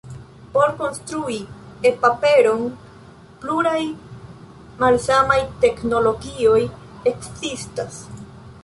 Por konstrui e-paperon, pluraj malsamaj teknologioj ekzistas.